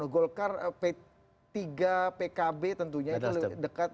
golkar p tiga pkb tentunya itu dekat